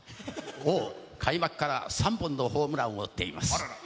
王、開幕から３本のホームランを打っています。